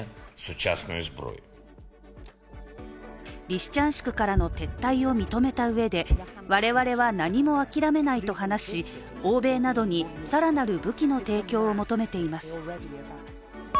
リシチャンシクからの撤退を認めたうえで我々は何も諦めないと話し欧米などに更なる武器の提供を求めています。